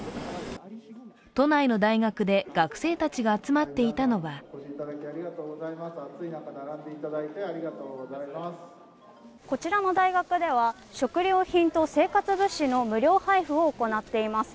都内の大学で学生たちが集まっていたのはこちらの大学では、食料品と生活物資の無料配布を行っています。